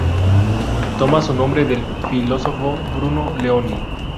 Toma su nombre del filósofo Bruno Leoni.